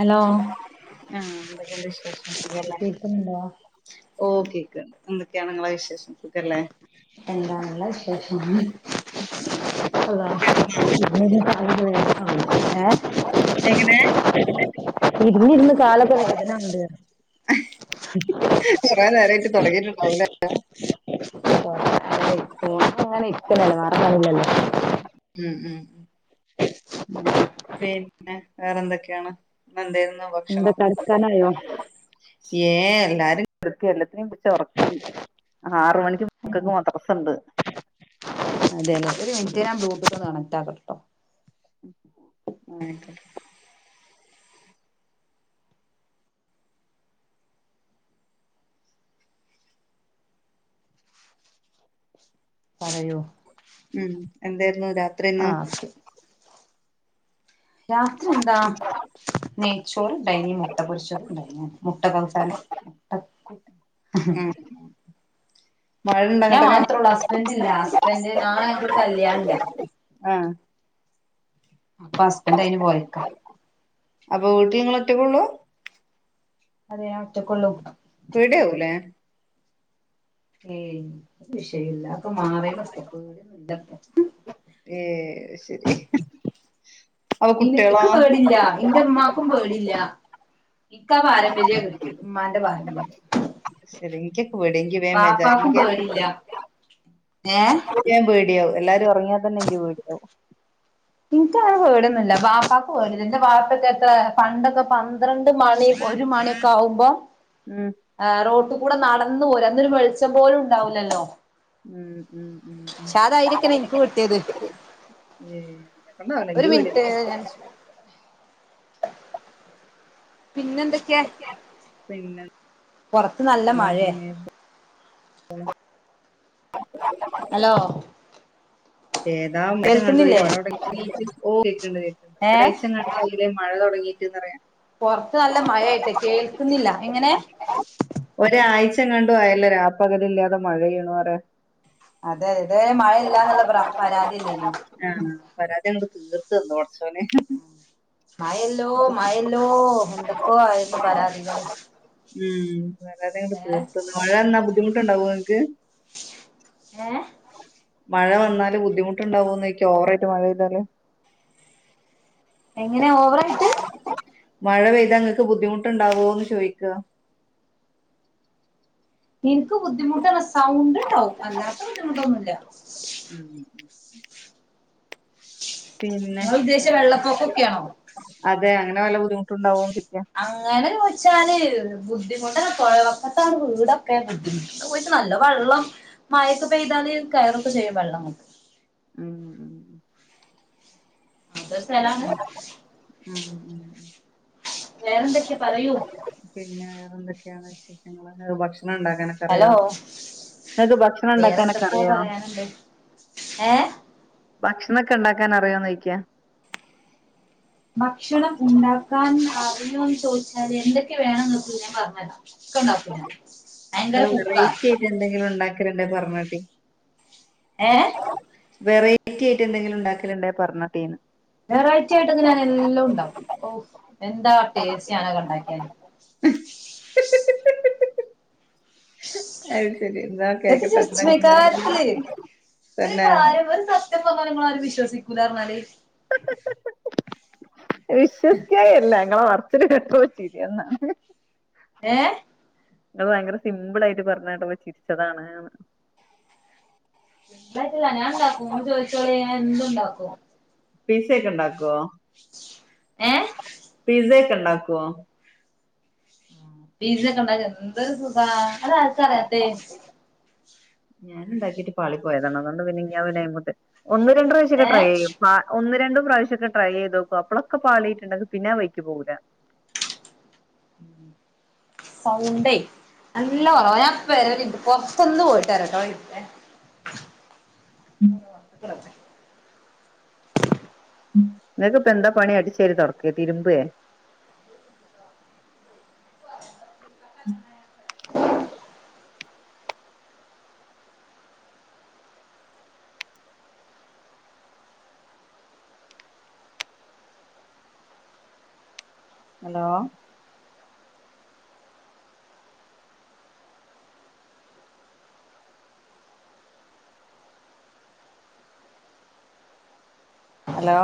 Hello ആഹ എന്തൊക്കെണ്ട് വിശേഷം സുഖല്ലേ കേക്കുന്നുണ്ടോ ഓ കേക്കണ്ട്. എന്തൊക്കെയാണ് ഇങ്ങളെ വിശേഷം സുഖല്ലേ എന്താണല്ല വിശേഷം [unintelligible] [inaudible] എങ്ങനെ [unintelligible] ഇരിന്ന് ഇരുന്ന് കാലൊക്കെ വേദനാവണ് ണ്ട് ഹ് ഹി ഹി കൊറനേരായിട്ട് തൊ ടങ്ങിട്ടുണ്ടാവൂലേ.. [unintelligible] ഇരിക്കല്ലേ വേറെ പണില്ലല്ലോ ഉം ഉം ഉം പിന്നെ വേറെ എന്തൊക്കെ ആണ് ഇന്ന് എന്തേരുന്നു എന്താ ഭക്ഷണം. കടക്കാനായോ ച്യേ എല്ലാരും കെട്ക്ക എല്ലത്തിനി ച്ചൊറക്കി ആറ് മണിക്ക് മക്കക്ക് മദ്രസ്ണ്ട്. അതേലെ. ഒരു മിൻറ്റ് ഞാൻ ബ്ലൂട്ടൂത്തൊന്ന് കണക്റ്റ് ആക്കട്ടെ ഉം. ഇന്നായ്ക്കോട്ടെ പറയു ഉം എന്തേരുന്നു രാത് ആ ശെ രാത്രി എന്താ നെയ്ച്ചോറ് ഇണ്ടായിനി. മുട്ട പൊരിച്ചതുണ്ടായിന് മുട്ട ഉം [unintelligible] [unintelligible] മഴണ്ടോ ഞാൻ അങ്ങട്ടൊക്കെ മാത്ര ഉള്ളൂ ഹസ്ബൻ്റ് ഇല്ല ഹസ്ബൻ്റ് നാളെ ഇൻകൊരു കല്ല്യാണണ്ട് ആഹ് അപ്പൊ ഹസ്ബൻ്റ് അയിന് പോയക്കാ അപ്പൊ വീട്ടി നിങ്ങളെറ്റക്കെ ള്ളൂ അതെ ഞാൻ ഒറ്റക്കുള്ളൂ പേടിയാവുലേ ഏയ് വിഷയല്ല, അതൊക്കെ മാറിനിപ്പൊ പേടിക്കോ ഏഹ് അയ് ശരി അപ്പൊ കുട്ടികളോ ഇനിക്ക് പേടില്ല ഇന്റെ ഇമ്മാക്കും പേടില്ല ഇക്കാ പാരമ്പര്യ കിട്ടിയേ ഇമ്മാന്റെ പാരമ്പര്യം ശരി എനിക്കൊക്കെ പേടിയാ എനിക്ക് വേം ബേജാ ബാപ്പാക്കും എനിക്ക് പേടില്ല ഏ പേടിയാവും എല്ലാരുംഒറങ്ങിയ തന്നെ ൻക്ക് പേടിയാവും ഇനിക്ക് ങ്ങനെ പേടൊന്നില്ല വാപ്പക്ക് പോ എന്റെ വാപ്പൊക്കെ എത്ര പണ്ടൊക്കെ പന്ത്രണ്ട് മണി ഒരു മണിയൊക്കെ ആവുമ്പോ ഉം ആ റോട്ട് കൂടെ നടന്നു പോരാ അന്നരു വെളിച്ചം പോലും ഉണ്ടാവൂല്ലല്ലോ ധൈര്യൊക്കെയാണ് ഇൻക്ക് കിട്ടിയത് [inaudible] ഒരു [unintelligible] [unintelligible] പിന്നെന്തൊക്കെയാ പിന്നെ പുറത്ത് നല്ല എന്താ മഴയെ പിന്നെ ഹലോ ഏതാ [unintelligible] കേൾക്കണ്ട് കേൾക്കുന്നില്ലേ ഏഹ് ഒരാഴ്ച മഴ തുടങ്ങീട്ട്ന്ന് പറയാം പൊറത്ത് നല്ല മഴ ആയിട്ട് കേൾക്കുന്നില്ല എങ്ങനെ ഒരാഴ്ചങ്ങാണ്ടും ആയല്ലോ രാപ്പകലില്ലാതെ മഴ യ്യുണ് പറയ അതെ ഇതരെ മഴയില്ല എന്നുള്ള പരാതിയല്ലെന്യോ ആഹ പരാതിയ കൊണ്ട് തീർത്തു തന്നോ ഉറച്ചോനെ മയല്ലോ മയല്ലോ എന്തൊക്കോ ആയിരുന്നു പരാതികള് ഏഹ് [unintelligible] ബുദ്ധിമുട്ടുണ്ടാവും ങ്ങക്ക് ഏഹ് മഴ വന്നാല് ബുദ്ധിമുട്ടുണ്ടാവോ ന്ന് ചോയ്ക്ക ഓവറായിട്ട് മഴെയ്താല് എങ്ങനെ ഓവറ ആയിട്ട് മഴ പെയ്താ ങ്ങൾക്ക് ബുദ്ധിമുട്ടുണ്ടാവോ എന്ന് ചോദിക്ക ഇൻക്ക് ബുദ്ധിമുട്ടന്നാ സൗണ്ട് ഉണ്ടാവും അല്ലാത്ത ബുദ്ധിമുട്ടൊന്നുമില്ല ഉം പിന്നെ, നിങ്ങൾ ഉദ്ദേശിച്ച വെള്ളപ്പൊക്കൊക്കെയാണോ അതെ അങ്ങനെ വല്ല ബുദ്ധിമുട്ടുണ്ടാവോ ന്ന് ചോയ്ക്ക അങ്ങനെ ചോദിച്ചാല് ബുദ്ധിമുട്ടല്ല പുഴവക്കത്താണ് വീടൊക്കെ ബുദ്ധിമുട്ട് പോയിട്ട് നല്ല വെള്ളം മഴക്കെ പെയ്താല് കയറൊക്കെ ചെയ്യും വെള്ളം ങ്ങട്ട് ഉം അതൊരു സ്ഥലാണ് പിന്നെ ഉ ഉം ഉ വേറെന്തൊക്കെയ പറയൂ പിന്നെ വേറെ എന്തൊക്കെയാണ് വിശേഷ ഒരു ഭക്ഷണം ഉണ്ടാക്കണം ഹലോ റിയോ, ങ്ങക്ക് ഭക്ഷണം ഉണ്ടാക്കാനൊക്കെ അറിയോ ഏഹ് ഭക്ഷണംമൊക്കെ ഉണ്ടാക്കാൻ അറിയോന്നയിക്കാ ഭക്ഷണം ഉണ്ടാക്കാൻ അറിയോന്ന് ചോദിച്ചാല് എന്തൊക്കെ വേണംങ്ങക്ക് ഞാൻ പറഞ്ഞരാ ക്കെ ണ്ടാക്കും ഞാൻ ഭയങ്കര നിങ്ങൾ കുക്കാ വേറെയിറ്റി ആയിട്ട് എന്തെങ്കിലും ഉണ്ടാക്കലണ്ടോ പറഞ്ഞട്ടി ഏ വെറൈറ്റി ആയിട്ട് എന്തെങ്കിലും ഉണ്ടാക്കൽ ഉണ്ടാ പറഞ്ഞട്ടിന്ന് വെറൈറ്റി ആയിട്ട് ഞാൻ എല്ലാം ഉണ്ടാക്കും ഓ എന്താ ടേസ്റ്റ് ഞാനൊക്കെ ഉണ്ടാക്കിയ [unintelligible] അത് ശരി എന്താ എത് കേക്കട്ടെ ചിരിച്ചിന് ഇണ്ടാക്കല് കാര്യത്തിൽ ഒരു തന്നെ കാര്യം പറഞ്ഞ സ് സത്യം പറഞ്ഞാൽ നിങ്ങള് ളാരും വിശ്വസിക്കൂല പറഞ്ഞാല് [unintelligible] വിശ്വസിക്കല്ല ഞങ്ങളെ പറചിൽ കെട്ടപ്പ ച്ചിരി വന്നാണ് ഏ അങ്ങള് ഭയങ്കര സിമ്പിൾയിട്ട് പറഞ്ഞാട്ടെപ്പ ചിരിച്ചതാണ് ഉണ്ടായിറ്റില്ല ഞാൻ ഉണ്ടാക്കുംന്ന് ചോദിചോളി ഞാൻ എന്തുണ്ടാക്കും പിസ്സ ഒക്കെ ഉണ്ടാക്കുവോ ഏ പിസയ ഒക്കെ ഉണ്ടാക്കുവോ പീസ ഒക്കെ ഉണ്ടാക്ക എന്ദ് സുഖാ ആധാർക അറിയാത്തെ ഞാനൻ ഉണ്ടാക്കിട്ട് പാളി പോയതാണ് അതൊണ്ട് പിന്നെഞ അവന്മ് ഒന്ന് രണ്ട പ്രാവശ്യൊക്കെ ഏ ടൈ ചെയ്യും പാ ഒന്ന് രണ്ടും പ്രാവശ്യമക്കെട്രൈ ചെയ്ത് നോക്കും അപ്പളൊക്കെ പാളിയിട്ടുണ്ടെങ്കിൽ പിന്നെ അ വൈക്ക് പോകൂല [inaudible] സൗണ്ടേ നല്ല കൊറവ ഞപ്പര ഒരുന്റ്റ് പുറത്തൊന്ന് പോയിട്ടരട്ടോ ഒരുന്റ് ഉം [unintelligible] ങ്ങക്ക്പ്പ എന്താ പണി അടി ചെരി തൊടക്കെ തിരുമ്പേ ഉ ഹലോ ഹലോ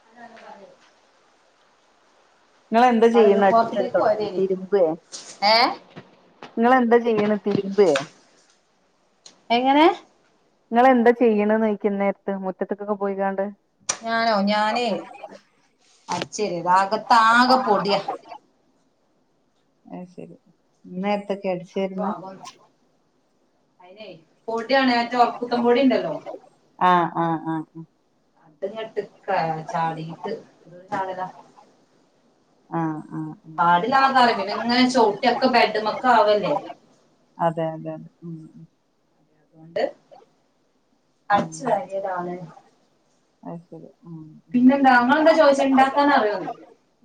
[unintelligible] ങ്ങളെന്താ പറയൂ ചെയ്യുന്ന അടിച്ചരി പുറത്തേക്ക് തൊടക്കെ പോയതേനി തിരുമ്പേ? ഏ നിങ്ങെന്താ ചെയ്യണ തിരുമ്പേ എങ്ങനെ? നിങ്ങെന്താ ചെയ്യന്ന് ചെയ്ക്ക ഇ ന്നേരത്ത് മുറ്റത്തക്കൊക്കെ പോയികാണ്ട് ഞാനോ ഞാന് അടിച്ചേരി അ ക ത്താകെ പൊടിയാ അഹ ശരി ഇന്നേരത്തൊക്കെ അടിച്ച.. [unintelligible] അയിനേ പൊടിയാണ് മറ്റേ ഒർകുത്തൻപൊടി ഉണ്ടല്ലോ [inaudible] ഇട്ട ഞട്ട് ചാടിട്ട് എന്തൊരു ചാടലാ ആഹ ആഹ് ആഹ് പടിലാതാറ പിന്നെ ഇങ്ങനെ ചവട്ടിയൊക്കെ ബെഡ്മക്അവല്ലേ അതെ അതെ അതെ ഉ ണ്ട് ഉം അടിച് വാരിയതാണ് അത് ശരി ഉ പിന്നെന്താ നിങ്ങന്താ ചോദിച്ച ഉണ്ടാക്കാനാറിയോന്ന്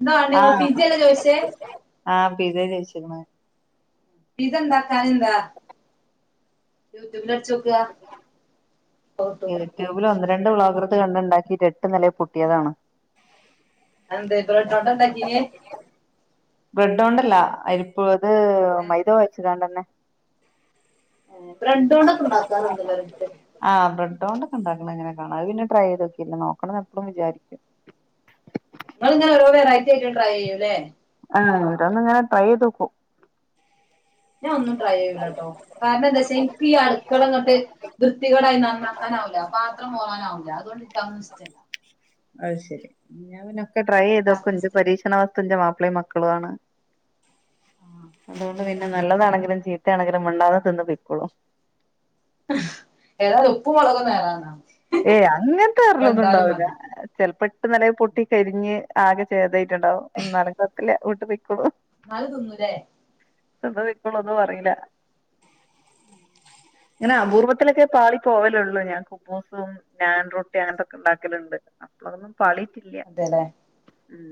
എന്താവണ്ടിയത് നിങ്ങൾ പിസല്ല ചോദിച്ചേ ആഹ പിസേ ചോയിച്ക്ക്ണ് പിസ ണ്ടാക്കാൻ തെന്താ യൂട്യൂബിലടിചോക്കാ അപ്പൊ കിട്ടും യൂട്യൂബിൽ ഒന്ന് രണ്ട വ്ലോകരുത് കണ്ട് ണ്ടാക്കിട്ട് എട്ട് നിലയെ പൊട്ടിയതാണ്. അതെന്തേ ബ്രാണ്ടൊണ്ട ണ്ടാക്കിന് ബ്രെഡോണ്ടല്ല അരിപ്പോ അത് ഏഹ് മൈദ കൊയ്ച കാണ്ടന്നെ. ഹെ ബ്രെഡ്‌ ണ്ടക്കെ ഉണ്ടാക്കാറുണ്ട് ഓരോരുത്തർ ആഹ ബ്രണ്ടോ ണ്ടാക്കേ ണ്ടാകാനങ്ങനെ കാണാ അഹ് പിന്നെ ട്രൈ ചെയ്തോക്കെല്ല നോക്കണം ന്ന് എപ്പോഴും വിചാരിക്കും. നിങ്ങൾ ങ്ങനാ ഓരോ വെറൈറ്റി ആയിറ്റ് ട്രൈ ചെയ്യൂല്ലേ? ആ ഓരോന്നങ്ങനെ ട്രൈ ചെയ്ത് നോകും. ഞാൻ ഒന്നും ട്രൈ ചെയ്യൂലട്ടോ കാരണം എന്താച്ചാ എനിക്ക് ഈ അടുക്കള ഇങ്ങോട്ട്... വൃത്തികേടായി നന്നാക്കാനാവൂല്ല 'പാത്രം മൊറാനാവൂല്ല അതോണ്ട് എനിക്ക് അതൊന്നും ഇഷ്ടമല്ല അഹ് ശരി ഞാപിന്നൊക്കെ ട്രൈ ചെയ്തോക്ക ഇണ്ടാക്കണ എന്ത് ഇഷ്ടല്ല പരീക്ഷണ ഇതെന്റെ മാപ്പിളയുംമക്കളും ആണ് ആഹ് അതുകൊണ്ട് അതൊണ്ട് പിന്നെ സുഖാണല്ലോ നല്ലതാണെങ്കിലും ചീത്ത കുറ്റണെങ്കിലും മിണ്ടാതെ തിന്ന് പൊയ്ക്കോളും ഏതായാലും ഉപ്പും മുളകും ഒന്നും ഏറാനാ ഏയ് അങ്ങനത്തെ ഏറെലൊന്നും ല്ലൊന്നും ഉണ്ടാവുല ചെലപ്പോ എട്ട് നല്ല പൊട്ടി കരിഞ്ഞ് ആകെ ചെയ്ത.. ണ്ടാവും നടകത്തില്ല വീട്ട് വക്കോളൂ നൽകുങ്ങലെ ത് ഇപ്പോളൊന്നും പറീല്ല ങ്ങെന അപൂർവത്തിലൊക്കെ പാളി പോവലുള്ളൂ ഞാൻ ബോസും ഞാൻ റൊട്ടിയും അങ്ങനത്തെക്കെ ഇണ്ടാക്കലുണ്ട് അപ്പളൊന്നും പാളിട്ടില്ല ഉം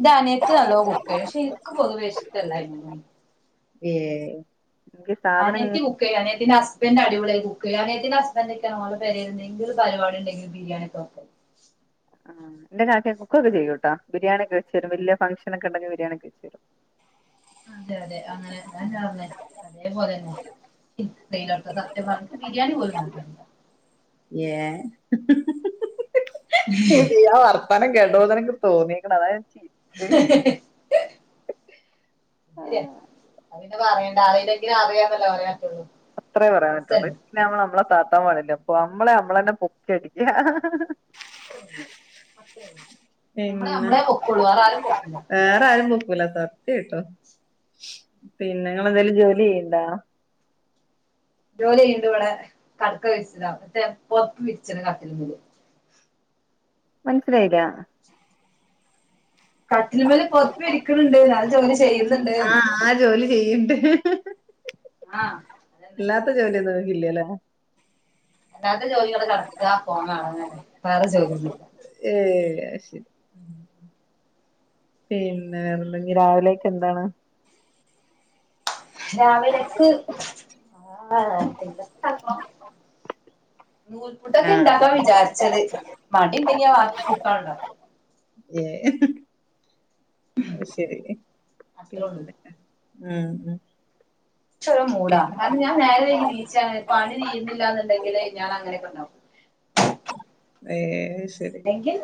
ന്റെ അനിയത്തി നല്ലോ കുക്കയ്യും പക്ഷെ എനിക്ക് പൊതുവെ ഇഷ്ടല്ല അയിനൊന്നും ഏഹ് അനിയത്തി കുക്കയും അനിത്തിന്റെ ഹസ്ബൻഡ് അടിപൊളിയി കുക്കയ്യും അനിയത്തിന്റെ ഹസ്ബൻഡ ഒക്കെെരെങ്കി പെരേല് എന്തൊരു പരിപാടി ഉണ്ടെങ്കിലും.. ബിരിയാണിക്ക വെക്കും ആ ഇന്റെ കാക്ക കുക്കക്കെ ചെയ്യൂട്ടോ ബിരിയാണക്കെ വച്ച വരും വല ഫങ്ഷൻ ഒക്കെണ്ടെങ്കിൽ ബിരിയാണ ഒക്കെവച്ചുരും. അതെ അതെ അങ്ങനെ ഞാ പർന്നെ അതേപോലെ തന്നെ [unintelligible] സത്യ പർഞ്ഞ ബിരിയാണി പോലുണ്ടാക്കാനറിയില്ല യേഹ് ഹ് ഹ് യാവർത്താനം കേട്ടോനക്ക് തോന്നിയേക്കണം അത ഞാൻ ചെയ്യ ഹ്ഹഹ്ഹ ആ, അത് പിന്നെ പറയണ്ട അറിയെങ്കിൽ അറിയാന്നല്ലെ പറയത്തുള്ളൂ അത്രയേ പറയാൻ പറ്റുള്ളൂ പിന്നെ നമ്മള് നമ്മളെ താത്താൻ പാടില്ലേ അപ്പൊ നമ്മളെ നമ്മള തന്നെ പൊക്കി അടിക്ക അത് പിന്നെ വേറെ ആരും പൊക്കൂല വേറെ ആരും പൊക്കൂല സാർ കേട്ടോ പിന്നെങ്ങളെന്തേലും നമ്മള് ജോലി സ്വയം ചെയ്യണ്ടോ? ജോലി ചെയ്യണ്ട് ഇവിടെ കടക്ക വിച്ചതാ മറ്റേ പൊതപ്പ് പിരിച്ചത് കട്ടില് മേല് മനസ്സിലായില്ല കട്ടിൽമേൽ പുതപ്പ് വിരിക്കുന്നുണ്ട് അത് ജോലി ചെയ്യുന്നത് ആഹ് ആ ജോലി ചെയ്യണ്ട് ആഹ് അതന്നെ ഇല്ലാത്ത ജോലിയൊന്നുംങ്ങെക്കില്ലലേ അല്ലാത്തെ ജോലികള് കിടക്കാ ഫോൺകാണ അങ്ങനെ വേറെ ജോലിയൊന്നുല്ല ഏ അ ശരി പിന്നെ വേറെന്താ രാവിലെക്കെ എന്താണ് രാവിലക്ക് ആക്കണം [unintelligible] നൂൽപുട്ടൊക്കെ ആഹ് ഇണ്ടാക്കാ വിചാരിച്ചത് മടീണ്ടെങ്കിലാ പുട്ട ഉണ്ടാക്ക ഏ ഹ് അത് ശരി അത്രേ ഉള്ളൂ പിന്ന അ അ ക്ഷ് ഒരു മൂടാ കാര ഞാൻ നേരേക്ക് നീച്ചനെ പണി തീുന്നില്ലന്നുണ്ടെങ്കിൽ ഞാൻ അങ്ങനൊക്കെ ഉണ്ടാവും ഏ ശരി എങ്കിൽ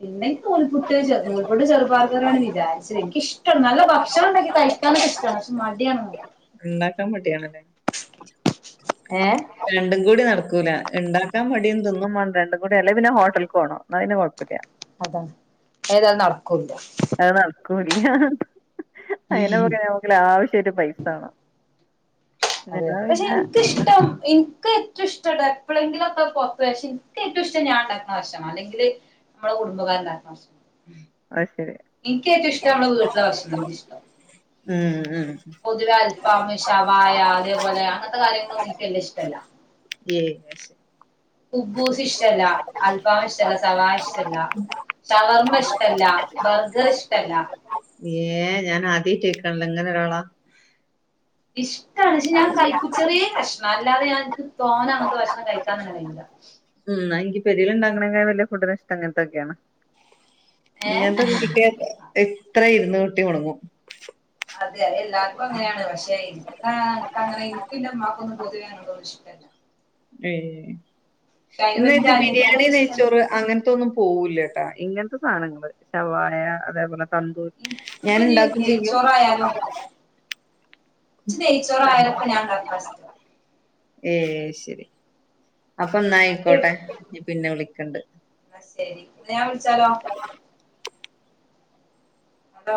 പിന്നെ നൂൽപുട്ട് ചെറുനൂൽപ്പുട്ട് ചെറുപയർ കറിയണ് വിചാരിച്ചത് എനിക്ക് ഇഷ്ടണ് നല്ല ഭക്ഷണം ഉണ്ടാക്കി കയി [unintelligible] ഇഷ്ടാണ് പക്ഷെ മടിയാണ് ണ്ടാക്കാൻ മടിയാണല്ലേ ഏ രണ്ടും കൂടി നടക്കൂല ഉണ്ടാക്കാൻ മടിയും തിന്നും വേണം രണ്ടും കൂടി അല്ലേ പിന്നെ ഹോട്ടലക്ക് പോണോ എന്ന പിന്ന കുഴപ്പല്ല അതാണ് ഏതായാലും നടക്കൂല്ല അത് നടക്കൂല്ല അങ്ങനെ പോക്ക നമുക്ക അനാവശ്യയിട്ട് പൈസ വേണം അതെ അല്ലാതെ പക്ഷെ പിന്നെ എനിക്കിഷ്ടം എനിക്ക് ഏറ്റവും ഇഷ്ട എപ്പോഴെങ്കിലും ഒക്ക പുറത്തകഷ്ണം എനിക്ക ഏറ്റവും ഇഷ്ടം ഞാൻണ്ടാക്കുന്ന ഭക്ഷണാണ് അല്ലെങ്കില് നമ്മടെ കുടുംബക്കാര്ണ്ടാക്കുന്ന ഭക്ഷണം അത് ശരി എനക്ക് ഏറ്റവും ഇഷ്ടം നമ്മടെ വീട്ടിലെ ഭക്ഷണം എനിക്കിഷ്ടം ഉം ഉം പൊതുവെ അൽഫാം ഷവായ അതേപോലെ അങ്ങനത്തെ കാര്യങ്ങളൊന്നും എനക്കങ്ങ് വല്ല്യ ഇഷ്ടല്ല ഏ ഉബൂസ് ഇഷ്ടല്ല അൽഫമ ഇഷ്ടല്ല സവാ ഇഷ്ടല്ല ചവർമ്മ ഇഷ്ടല്ല ബർഗർ ഇഷ്ടല്ല ഏ ഞാൻ ആദ്യയിട്ട് കേക്കാണല്ലോ ഇങ്ങനെ ഒരാളാ ഇഷ്ടാണ്ക്ഷെ ഞാൻ കൈക്കുച്ചെറിയേ കഷ്ണംല്ലാതെ ക്ക് തോന്ന അങ്ങത്തെ ഭക്ഷണം കഴിക്കാൻന്നെ കഴയില്ല ഉ് എനി പെരിലുണ്ടാക്കെണെക വല്യ ഫുഡ് ഇഷ്ടം അങ്ങനത്തെക്കെയാണ് ഏഹ് ഇങ്ങത്തെ വീട്ടട്ട എത്ര ഇരുന്ന് കുട്ടി മുടങ്ങും അതെ അതെ എല്ലാർക്കും അങ്ങനെയാണ് പക്ഷേ എന് ആഹ അങ്ങനെ എനിക്കിന്റെ അ്മാക്കൊന്നും പൊതുവോനന്നും ഇഷ്ടല്ല ഏ പക്ഷെ അതിന് എന്നാത് എന്റെ ബിരിയാണി അനിയത്തിക്കെല്ലാം ഇഷ്ടാണ് നച്ചോറ് അങ്ങനത്തെൊന്നും പോവലട്ടാ ഇങ്ങനത്തെ സാധനങ്ങള് ശവായ അതേപോലെ തന്തൂർ ഞാൻ എനിക്കിപ്പോ ഇനി ഇണ്ടാക്കും ചെയ്യും നെയ്ച്ചോറായാലും ജേച്ചോറ ആരൊക്കെ ഞാൻണ്ടാക്കസ്റ്റ് ഏ ശരി അപ്പൊ എന്നായിക്കോട്ടെ ന പിന്നെ വിളിക്കണ്ട് അ ശരി ഞാൻ വിളിച്ചാലോ അതോ